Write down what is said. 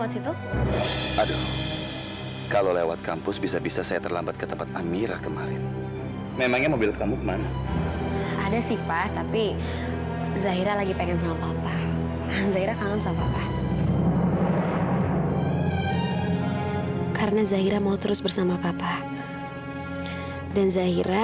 sampai jumpa di video selanjutnya